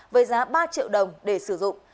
với giá ba triệu đồng để sử dụng